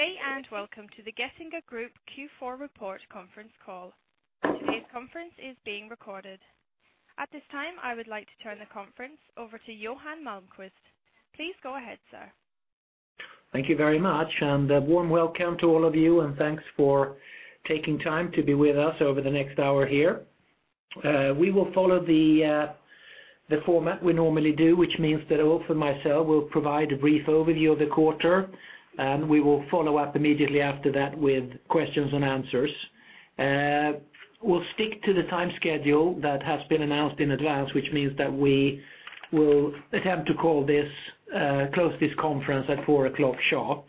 Good day, and welcome to the Getinge Group Q4 Report conference call. Today's conference is being recorded. At this time, I would like to turn the conference over to Johan Malmquist. Please go ahead, sir Thank you very much, and a warm welcome to all of you, and thanks for taking time to be with us over the next hour here. We will follow the format we normally do, which means that I, for myself, will provide a brief overview of the quarter, and we will follow up immediately after that with questions and answers. We'll stick to the time schedule that has been announced in advance, which means that we will attempt to close this conference at 4:00 P.M. sharp.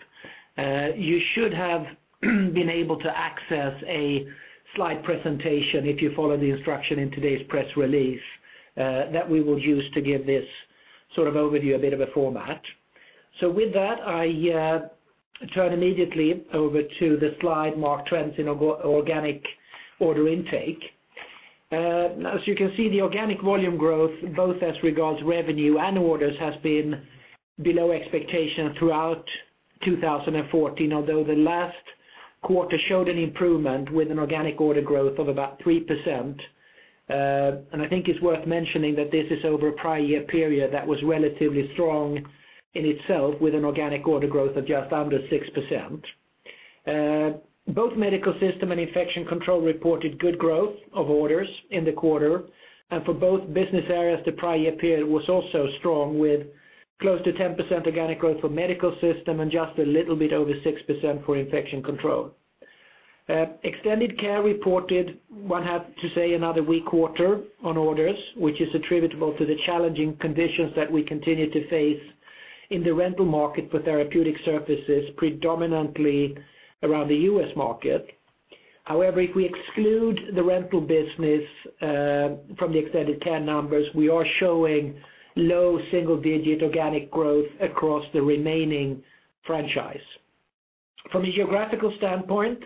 You should have been able to access a slide presentation if you follow the instruction in today's press release that we will use to give this sort of overview a bit of a format. So with that, I turn immediately over to the slide marked 20 in Organic Order Intake. As you can see, the organic volume growth, both as regards revenue and orders, has been below expectation throughout 2014, although the last quarter showed an improvement with an organic order growth of about 3%. And I think it's worth mentioning that this is over a prior year period that was relatively strong in itself, with an organic order growth of just under 6%. Both Medical Systems and Infection Control reported good growth of orders in the quarter, and for both business areas, the prior year period was also strong, with close to 10% organic growth for Medical Systems and just a little bit over 6% for Infection Control. Extended Care reported, one have to say, another weak quarter on orders, which is attributable to the challenging conditions that we continue to face in the rental market for therapeutic services, predominantly around the U.S. market. However, if we exclude the rental business from the Extended Care numbers, we are showing low single-digit organic growth across the remaining franchise. From a geographical standpoint,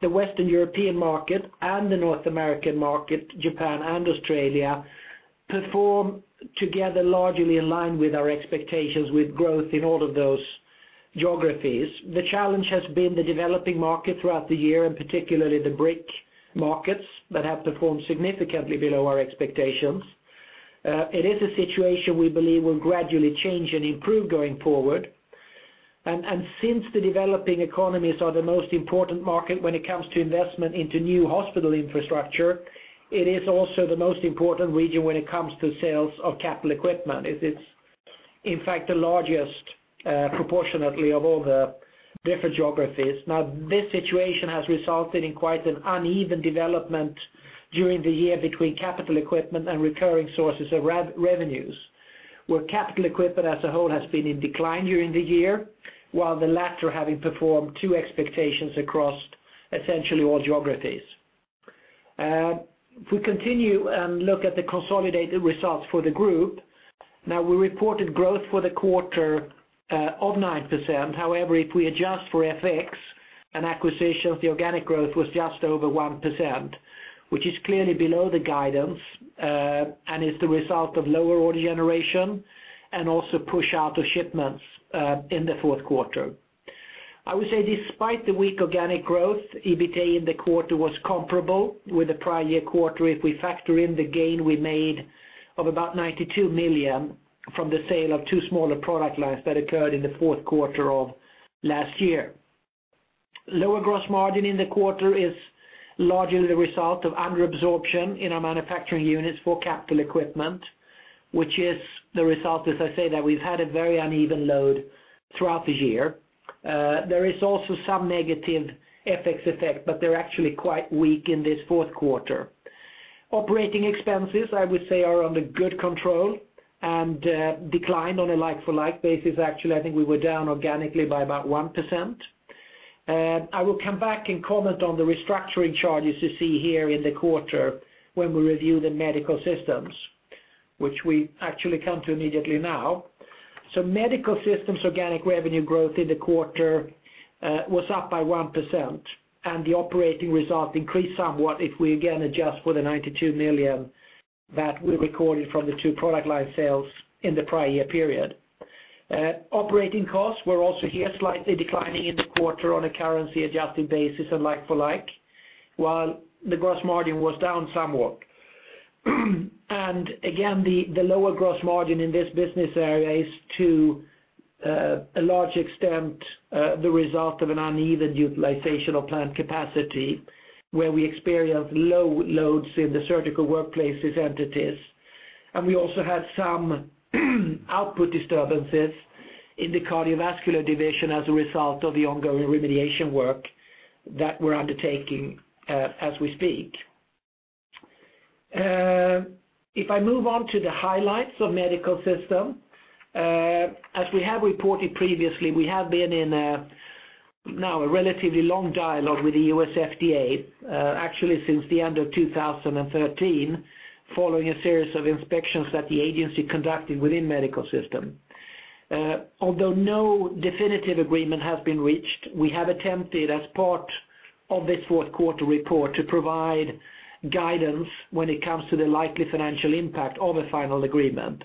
the Western European market and the North American market, Japan and Australia, perform together largely in line with our expectations with growth in all of those geographies. The challenge has been the developing market throughout the year, and particularly the BRIC markets, that have performed significantly below our expectations. It is a situation we believe will gradually change and improve going forward. Since the developing economies are the most important market when it comes to investment into new hospital infrastructure, it is also the most important region when it comes to sales of capital equipment. It, it's, in fact, the largest proportionately of all the different geographies. Now, this situation has resulted in quite an uneven development during the year between capital equipment and recurring sources of revenues, where capital equipment as a whole has been in decline during the year, while the latter having performed to expectations across essentially all geographies. If we continue and look at the consolidated results for the group, now, we reported growth for the quarter of 9%. However, if we adjust for FX and acquisitions, the organic growth was just over 1%, which is clearly below the guidance, and is the result of lower order generation and also push out of shipments in the fourth quarter. I would say despite the weak organic growth, EBITA in the quarter was comparable with the prior year quarter if we factor in the gain we made of about 92 million from the sale of two smaller product lines that occurred in the fourth quarter of last year. Lower gross margin in the quarter is largely the result of under absorption in our manufacturing units for capital equipment, which is the result, as I said, that we've had a very uneven load throughout the year. There is also some negative FX effect, but they're actually quite weak in this fourth quarter. Operating expenses, I would say, are under good control and, declined on a like-for-like basis. Actually, I think we were down organically by about 1%. I will come back and comment on the restructuring charges you see here in the quarter when we review the medical systems, which we actually come to immediately now. So medical systems organic revenue growth in the quarter, was up by 1%, and the operating results increased somewhat if we again adjust for the 92 million that we recorded from the two product line sales in the prior year period. Operating costs were also here slightly declining in the quarter on a currency-adjusted basis and like for like, while the gross margin was down somewhat. And again, the lower gross margin in this business area is to a large extent the result of an uneven utilization of plant capacity, where we experienced low loads in the surgical workplaces entities. And we also had some output disturbances in the cardiovascular division as a result of the ongoing remediation work that we're undertaking as we speak. If I move on to the highlights of medical system, as we have reported previously, we have been in a now a relatively long dialogue with the U.S. FDA, actually since the end of 2013, following a series of inspections that the agency conducted within medical system. Although no definitive agreement has been reached, we have attempted, as part of this fourth quarter report, to provide guidance when it comes to the likely financial impact of a final agreement.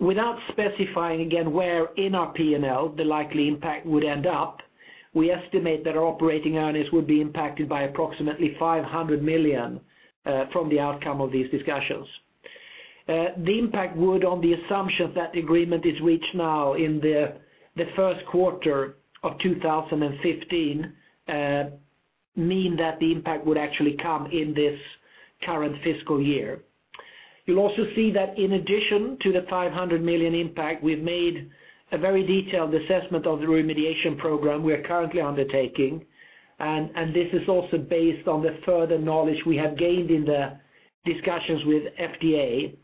Without specifying again where in our P&L the likely impact would end up, we estimate that our operating earnings would be impacted by approximately 500 million from the outcome of these discussions. The impact would, on the assumption that agreement is reached now in the first quarter of 2015, mean that the impact would actually come in this current fiscal year. You'll also see that in addition to the 500 million impact, we've made a very detailed assessment of the remediation program we are currently undertaking, and this is also based on the further knowledge we have gained in the discussions with FDA.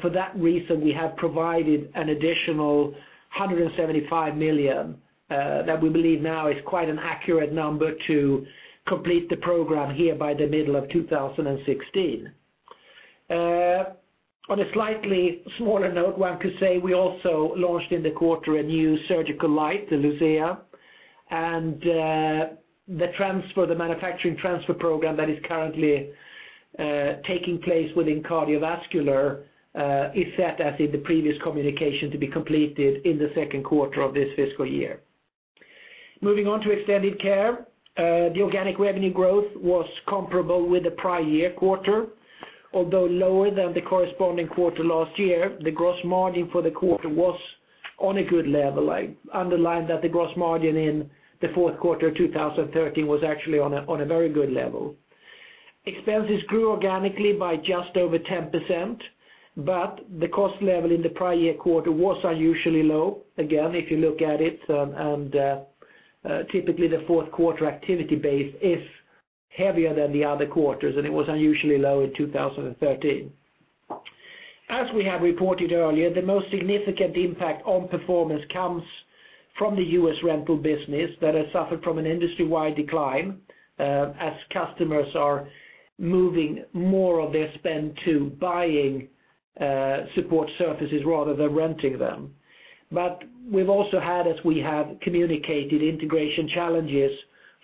For that reason, we have provided an additional 175 million that we believe now is quite an accurate number to complete the program here by the middle of 2016. On a slightly smaller note, one could say we also launched in the quarter a new surgical light, the Lucea, and the transfer, the manufacturing transfer program that is currently taking place within cardiovascular is set, as in the previous communication, to be completed in the second quarter of this fiscal year. Moving on to Extended Care, the organic revenue growth was comparable with the prior-year quarter, although lower than the corresponding quarter last year. The gross margin for the quarter was on a good level. I underline that the gross margin in the fourth quarter of 2013 was actually on a very good level. Expenses grew organically by just over 10%, but the cost level in the prior year quarter was unusually low. Again, if you look at it, typically the fourth quarter activity base is heavier than the other quarters, and it was unusually low in 2013. As we have reported earlier, the most significant impact on performance comes from the U.S. rental business that has suffered from an industry-wide decline, as customers are moving more of their spend to buying support services rather than renting them. But we've also had, as we have communicated, integration challenges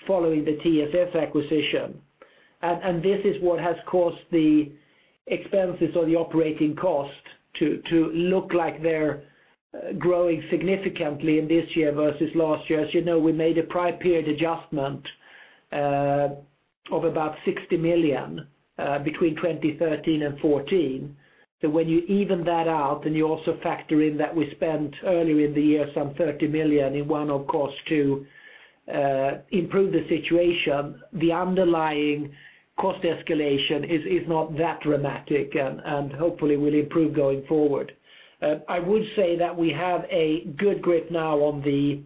following the TSS acquisition. This is what has caused the expenses or the operating cost to look like they're growing significantly in this year versus last year. As you know, we made a prior period adjustment of about 60 million between 2013 and 2014. So when you even that out, and you also factor in that we spent earlier in the year some 30 million in one-off costs to improve the situation, the underlying cost escalation is not that dramatic and hopefully will improve going forward. I would say that we have a good grip now on the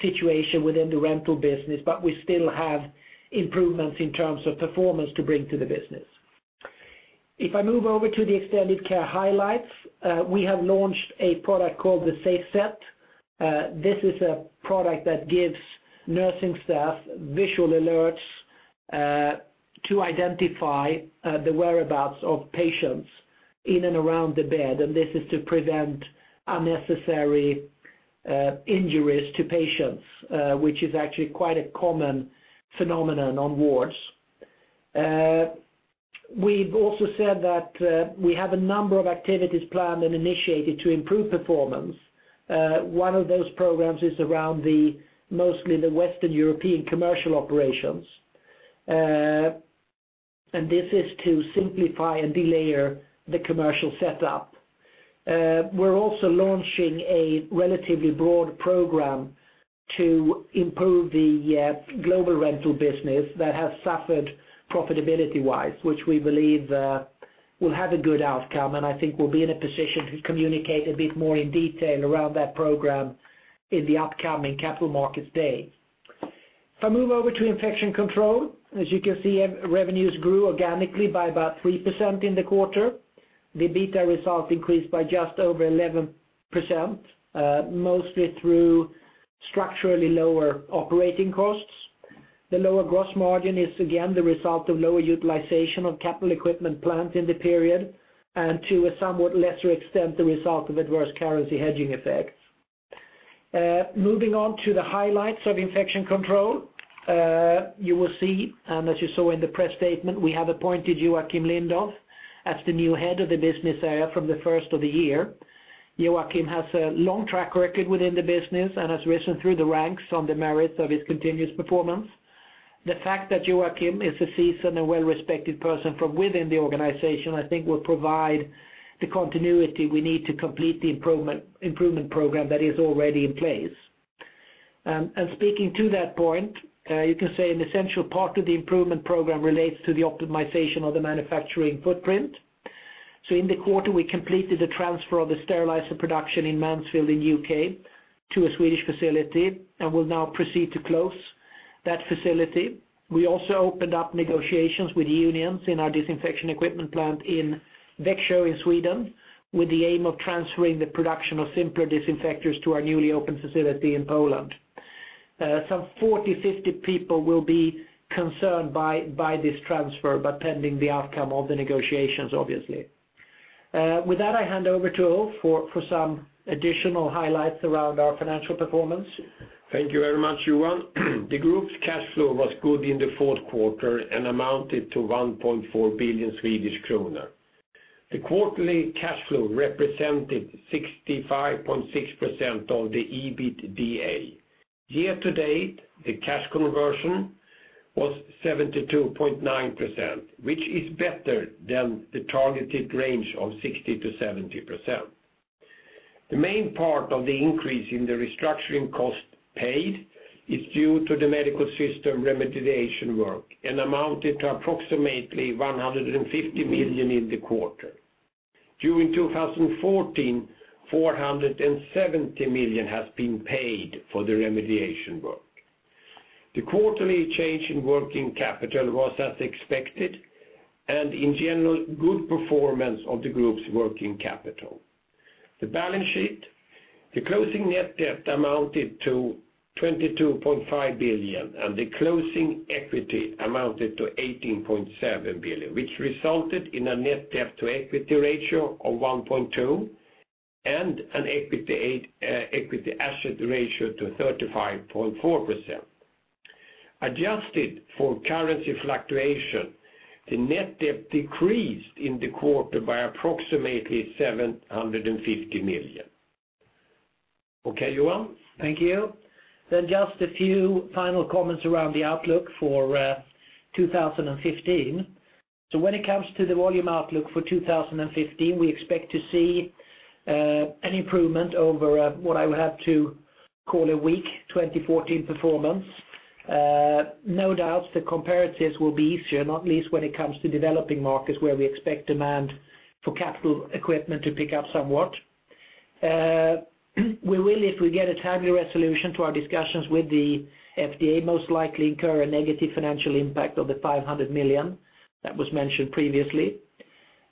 situation within the rental business, but we still have improvements in terms of performance to bring to the business. If I move over to the Extended Care highlights, we have launched a product called the SafeSet. This is a product that gives nursing staff visual alerts to identify the whereabouts of patients in and around the bed, and this is to prevent unnecessary injuries to patients, which is actually quite a common phenomenon on wards. We've also said that we have a number of activities planned and initiated to improve performance. One of those programs is around mostly the Western European commercial operations, and this is to simplify and delayer the commercial setup. We're also launching a relatively broad program to improve the global rental business that has suffered profitability-wise, which we believe will have a good outcome, and I think we'll be in a position to communicate a bit more in detail around that program in the upcoming Capital Markets Day. If I move over to infection control, as you can see, revenues grew organically by about 3% in the quarter. The EBITA result increased by just over 11%, mostly through structurally lower operating costs. The lower gross margin is again the result of lower utilization of capital equipment plans in the period, and to a somewhat lesser extent, the result of adverse currency hedging effects. Moving on to the highlights of infection control, you will see, and as you saw in the press statement, we have appointed Joacim Lindoff as the new head of the business area from the first of the year. Joacim has a long track record within the business and has risen through the ranks on the merits of his continuous performance. The fact that Joacim is a seasoned and well-respected person from within the organization, I think will provide the continuity we need to complete the improvement, improvement program that is already in place. And speaking to that point, you can say an essential part of the improvement program relates to the optimization of the manufacturing footprint. In the quarter, we completed the transfer of the sterilizer production in Mansfield, in U.K., to a Swedish facility, and will now proceed to close that facility. We also opened up negotiations with unions in our disinfection equipment plant in Växjö, in Sweden, with the aim of transferring the production of simpler disinfectors to our newly opened facility in Poland. Some 40-50 people will be concerned by, by this transfer, but pending the outcome of the negotiations, obviously. With that, I hand over to Ulf for some additional highlights around our financial performance. Thank you very much, Johan. The group's cash flow was good in the fourth quarter and amounted to 1.4 billion Swedish kronor. The quarterly cash flow represented 65.6% of the EBITDA. Year-to-date, the cash conversion was 72.9%, which is better than the targeted range of 60%-70%. The main part of the increase in the restructuring cost paid is due to the medical system remediation work and amounted to approximately 150 million in the quarter. During 2014, 470 million has been paid for the remediation work. The quarterly change in working capital was as expected, and in general, good performance of the group's working capital. The balance sheet, the closing net debt amounted to 22.5 billion, and the closing equity amounted to 18.7 billion, which resulted in a net debt to equity ratio of 1.2 and an equity, equity asset ratio to 35.4%. Adjusted for currency fluctuation, the net debt decreased in the quarter by approximately 750 million. Okay, Johan? Thank you. Then just a few final comments around the outlook for 2015. So when it comes to the volume outlook for 2015, we expect to see an improvement over what I would have to call a weak 2014 performance. No doubt, the comparatives will be easier, not least when it comes to developing markets where we expect demand for capital equipment to pick up somewhat. We will, if we get a timely resolution to our discussions with the FDA, most likely incur a negative financial impact of 500 million that was mentioned previously.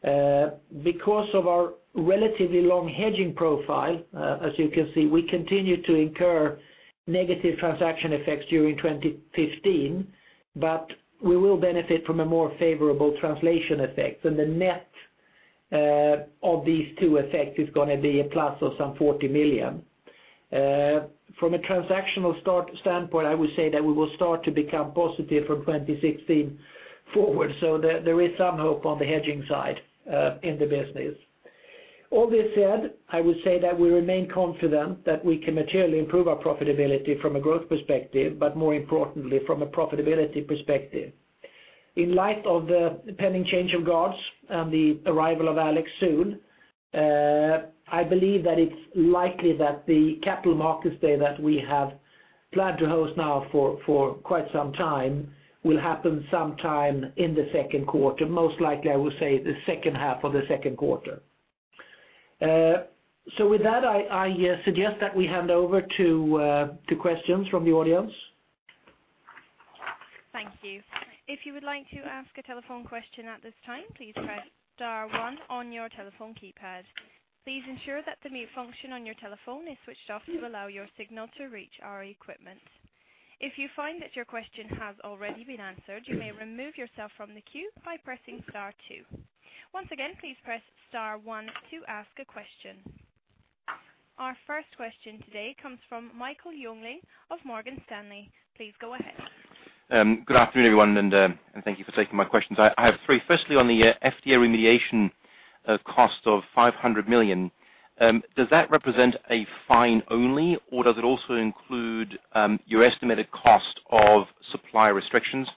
Because of our relatively long hedging profile, as you can see, we continue to incur negative transaction effects during 2015, but we will benefit from a more favorable translation effect, and the net of these two effects is going to be a plus of some 40 million. From a transactional standpoint, I would say that we will start to become positive from 2016 forward, so there, there is some hope on the hedging side, in the business. All this said, I would say that we remain confident that we can materially improve our profitability from a growth perspective, but more importantly, from a profitability perspective. In light of the pending change of guards and the arrival of Alex soon, I believe that it's likely that the capital markets day that we have planned to host now for, for quite some time will happen sometime in the second quarter, most likely, I would say, the second half of the second quarter. So with that, I, I suggest that we hand over to, to questions from the audience. Thank you. If you would like to ask a telephone question at this time, please press star one on your telephone keypad. Please ensure that the mute function on your telephone is switched off to allow your signal to reach our equipment. If you find that your question has already been answered, you may remove yourself from the queue by pressing star two. Once again, please press star one to ask a question. Our first question today comes from Michael Jüngling of Morgan Stanley. Please go ahead. Good afternoon, everyone, and thank you for taking my questions. I have three. Firstly, on the FDA remediation, cost of 500 million, does that represent a fine only, or does it also include your estimated cost of supply restrictions?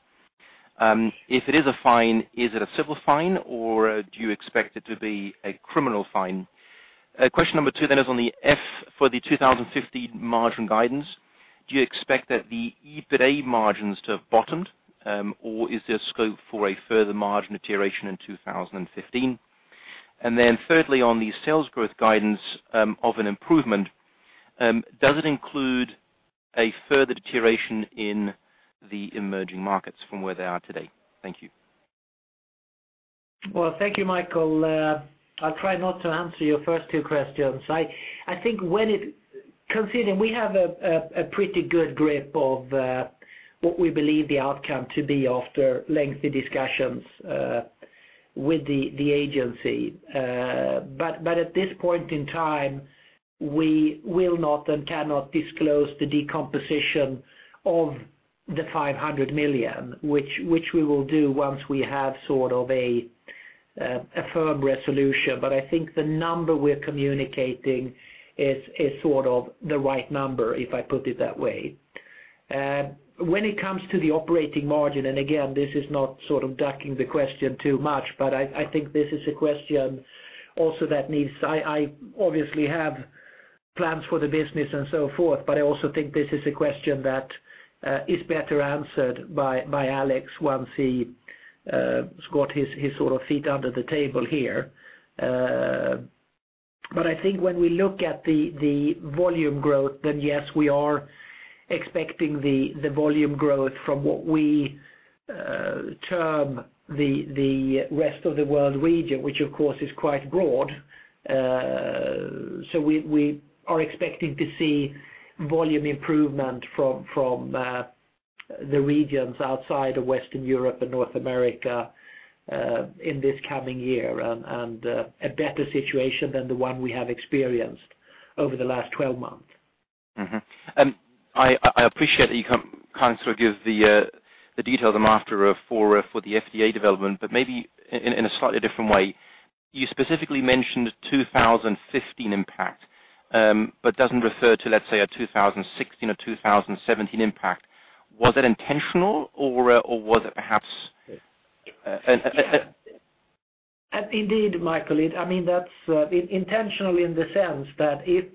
If it is a fine, is it a civil fine, or do you expect it to be a criminal fine? Question number two then is on the FY for the 2015 margin guidance. Do you expect that the EBITDA margins to have bottomed, or is there scope for a further margin deterioration in 2015? And then thirdly, on the sales growth guidance of an improvement, does it include a further deterioration in the emerging markets from where they are today? Thank you. Well, thank you, Michael. I'll try not to answer your first two questions. I think considering we have a pretty good grip of what we believe the outcome to be after lengthy discussions with the agency. But at this point in time, we will not and cannot disclose the decomposition of the 500 million, which we will do once we have sort of a firm resolution. But I think the number we're communicating is sort of the right number, if I put it that way. When it comes to the operating margin, and again, this is not sort of ducking the question too much, but I think this is a question also that needs. I obviously have plans for the business and so forth, but I also think this is a question that is better answered by Alex once he has got his sort of feet under the table here. But I think when we look at the volume growth, then yes, we are expecting the volume growth from what we term the rest of the world region, which, of course, is quite broad. We are expecting to see volume improvement from the regions outside of Western Europe and North America in this coming year, and a better situation than the one we have experienced over the last 12 months.... Mm-hmm. And I, I appreciate that you can't, can't sort of give the, the details I'm after for, for the FDA development, but maybe in, in a slightly different way. You specifically mentioned 2015 impact, but doesn't refer to, let's say, a 2016 or 2017 impact. Was it intentional or, or was it perhaps? Indeed, Michael, it, I mean, that's intentional in the sense that if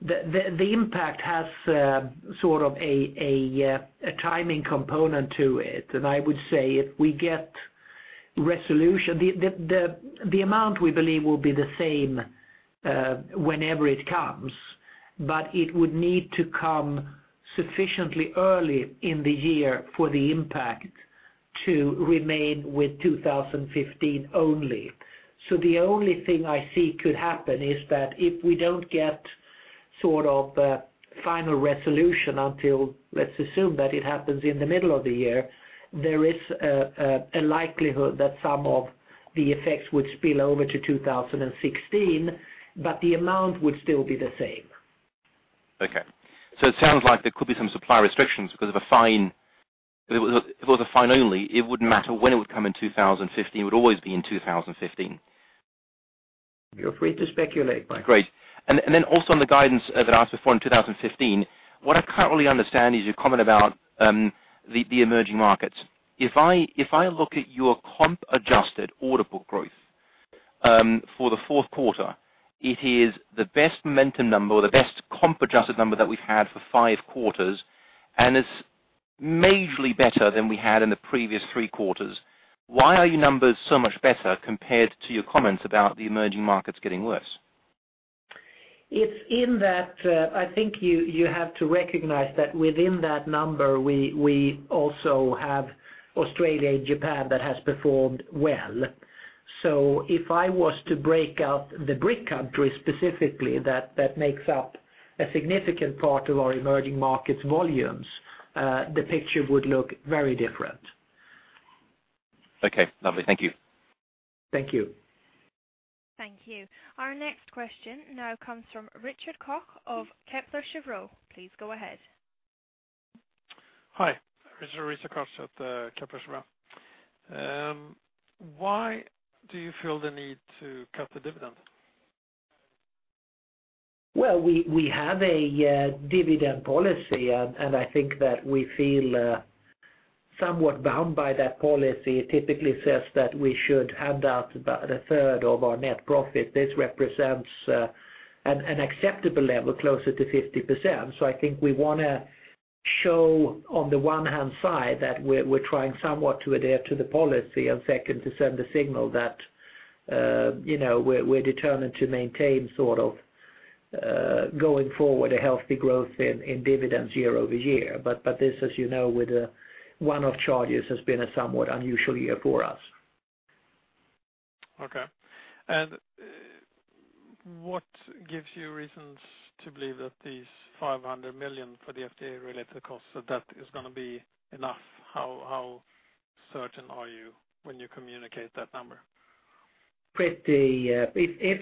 the impact has sort of a timing component to it, and I would say if we get resolution, the amount we believe will be the same whenever it comes, but it would need to come sufficiently early in the year for the impact to remain with 2015 only. So the only thing I see could happen is that if we don't get sort of a final resolution until, let's assume that it happens in the middle of the year, there is a likelihood that some of the effects would spill over to 2016, but the amount would still be the same. Okay, so it sounds like there could be some supply restrictions because of a fine. If it was a fine only, it wouldn't matter when it would come in 2015, it would always be in 2015. You're free to speculate, Michael. Great. And then also on the guidance that I asked before in 2015, what I can't really understand is your comment about the emerging markets. If I look at your comp adjusted order book growth for the fourth quarter, it is the best momentum number or the best comp adjusted number that we've had for five quarters, and it's majorly better than we had in the previous three quarters. Why are your numbers so much better compared to your comments about the emerging markets getting worse? It's in that. I think you have to recognize that within that number, we also have Australia and Japan that has performed well. So if I was to break out the BRIC countries, specifically, that makes up a significant part of our emerging markets volumes, the picture would look very different. Okay, lovely. Thank you. Thank you. Thank you. Our next question now comes from Richard Koch of Kepler Cheuvreux. Please go ahead. Hi, Richard Koch at Kepler Cheuvreux. Why do you feel the need to cut the dividend? Well, we, we have a dividend policy, and, and I think that we feel somewhat bound by that policy. It typically says that we should hand out about a third of our net profit. This represents an acceptable level, closer to 50%. So I think we want to show, on the one hand side, that we're, we're trying somewhat to adhere to the policy, and second, to send a signal that, you know, we're, we're determined to maintain sort of going forward, a healthy growth in, in dividends year-over-year. But this, as you know, with the one-off charges, has been a somewhat unusual year for us. Okay. And what gives you reasons to believe that these 500 million for the FDA-related costs, so that is going to be enough? How certain are you when you communicate that number? If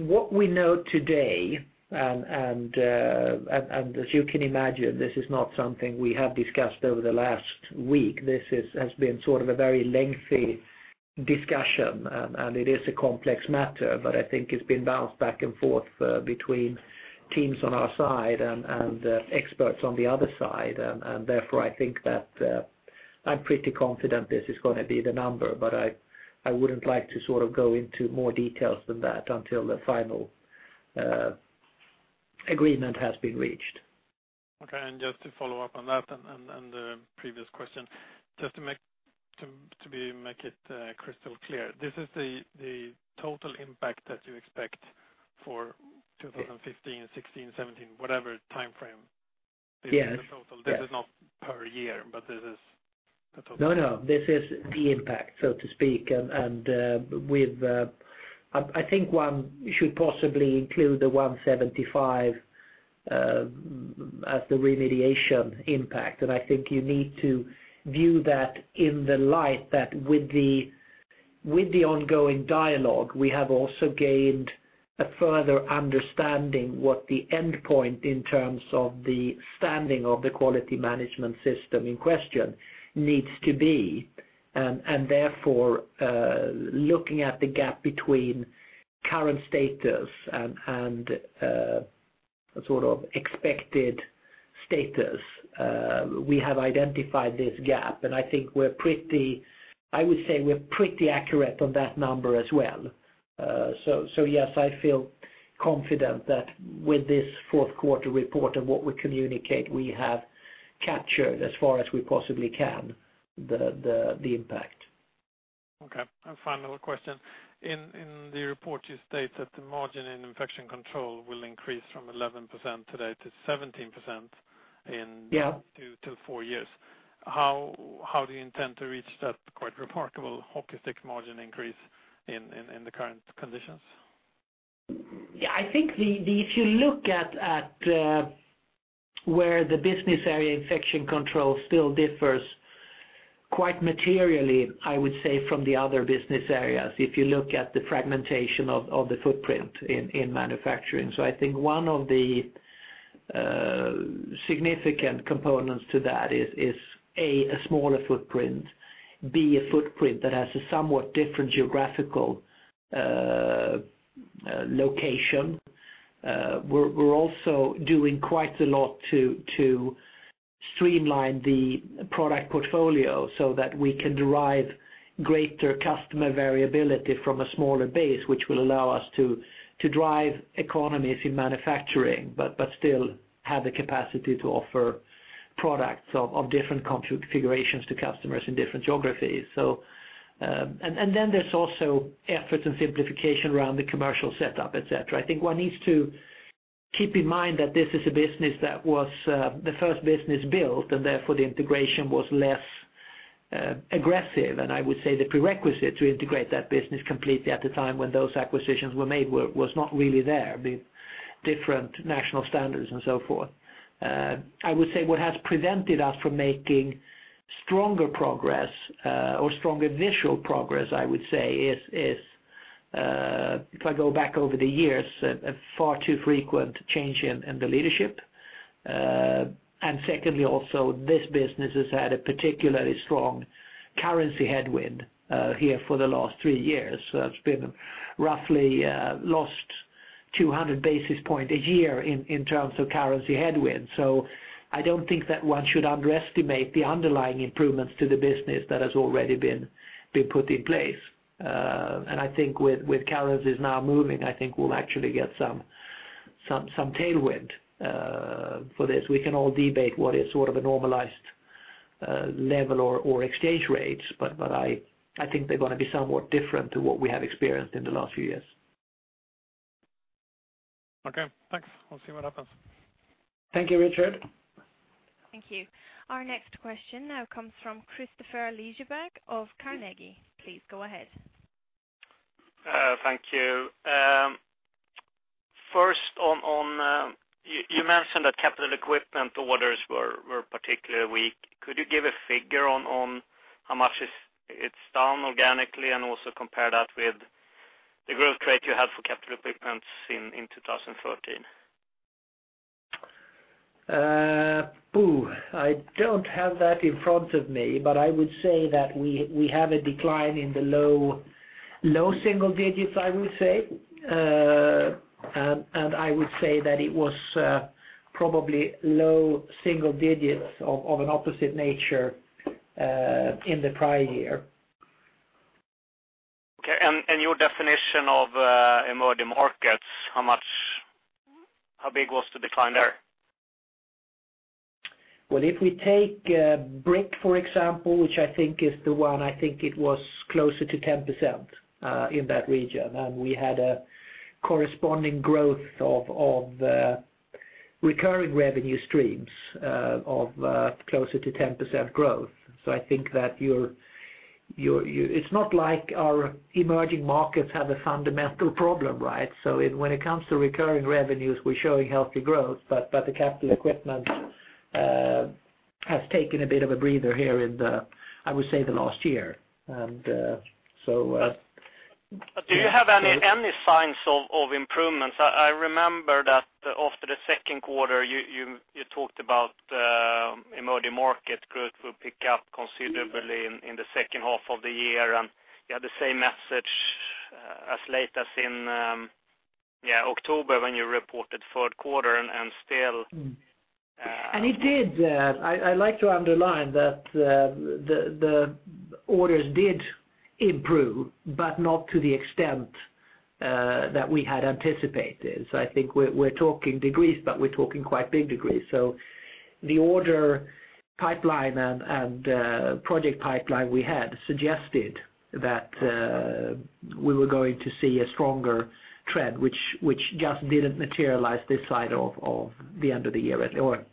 what we know today, and as you can imagine, this is not something we have discussed over the last week. This has been sort of a very lengthy discussion, and it is a complex matter, but I think it's been bounced back and forth between teams on our side and experts on the other side. And therefore, I think that I'm pretty confident this is going to be the number, but I wouldn't like to sort of go into more details than that until the final agreement has been reached. Okay, and just to follow up on that and the previous question, just to make it crystal clear, this is the total impact that you expect for 2015, 2016, 2017, whatever time frame? Yes. This is the total. Yes. This is not per year, but this is the total. No, no, this is the impact, so to speak. And with, I think one should possibly include the 175 as the remediation impact. And I think you need to view that in the light that with the ongoing dialogue, we have also gained a further understanding what the endpoint in terms of the standing of the quality management system in question needs to be. And therefore, looking at the gap between current status and sort of expected status, we have identified this gap, and I think we're pretty. I would say we're pretty accurate on that number as well. So, yes, I feel confident that with this fourth quarter report and what we communicate, we have captured, as far as we possibly can, the impact. Okay, and final question: In the report, you state that the margin in Infection Control will increase from 11% today to 17% in- Yeah... 2-4 years. How do you intend to reach that quite remarkable hockey stick margin increase in the current conditions?... Yeah, I think the, if you look at, where the business area Infection Control still differs quite materially, I would say, from the other business areas, if you look at the fragmentation of the footprint in manufacturing. So I think one of the significant components to that is, A, a smaller footprint, B, a footprint that has a somewhat different geographical location. We're also doing quite a lot to streamline the product portfolio so that we can derive greater customer variability from a smaller base, which will allow us to drive economies in manufacturing, but still have the capacity to offer products of different configurations to customers in different geographies. So and then there's also efforts and simplification around the commercial setup, et cetera. I think one needs to keep in mind that this is a business that was the first business built, and therefore, the integration was less aggressive. And I would say the prerequisite to integrate that business completely at the time when those acquisitions were made was not really there, the different national standards and so forth. I would say what has prevented us from making stronger progress or stronger visual progress, I would say, is if I go back over the years, a far too frequent change in the leadership. And secondly, also, this business has had a particularly strong currency headwind here for the last three years. So it's been roughly lost 200 basis points a year in terms of currency headwind. So I don't think that one should underestimate the underlying improvements to the business that has already been put in place. And I think with currencies now moving, I think we'll actually get some tailwind for this. We can all debate what is sort of a normalized level or exchange rates, but I think they're gonna be somewhat different to what we have experienced in the last few years. Okay, thanks. We'll see what happens. Thank you, Richard. Thank you. Our next question now comes from Kristopher Lijeberg of Carnegie. Please go ahead. Thank you. First, on, you mentioned that capital equipment orders were particularly weak. Could you give a figure on how much it's down organically, and also compare that with the growth rate you had for capital equipment's in 2013? Oh, I don't have that in front of me, but I would say that we, we have a decline in the low, low single digits, I would say. And, and I would say that it was, probably low single digits of, of an opposite nature, in the prior year. Okay, and your definition of emerging markets, how big was the decline there? Well, if we take BRIC, for example, which I think is the one, I think it was closer to 10%, in that region, and we had a corresponding growth of recurring revenue streams of closer to 10% growth. So I think that your, your, you-- It's not like our emerging markets have a fundamental problem, right? So when it comes to recurring revenues, we're showing healthy growth, but the capital equipment has taken a bit of a breather here in the, I would say, the last year. And so, But do you have any signs of improvements? I remember that after the second quarter, you talked about emerging market growth will pick up considerably in the second half of the year, and you had the same message as late as in October, when you reported third quarter, and still, It did. I'd like to underline that, the orders did improve, but not to the extent that we had anticipated. So I think we're talking degrees, but we're talking quite big degrees. So the order pipeline and project pipeline we had suggested that we were going to see a stronger trend, which just didn't materialize this side of the end of the year, or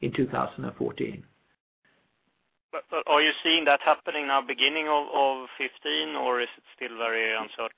in 2014. But are you seeing that happening now, beginning of 2015, or is it still very uncertain?